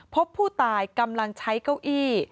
พบผู้ตายกำลังใช้เก้าอี้